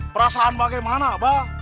perasaan bagaimana abah